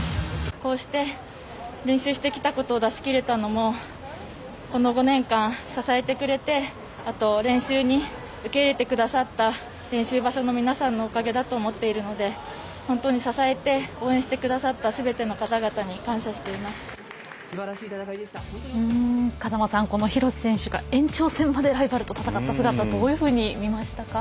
こうして練習してきたことを出しきれたのもこの５年間支えてくれてあと練習に受け入れてくださった練習場所の皆さんのおかげだと思っているので本当に支えて応援してくださったすべての方々に風間さんこの廣瀬選手が延長戦までライバルと戦った姿どういうふうに見ましたか。